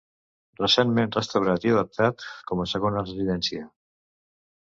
Recentment restaurat i adaptat com a segona residència.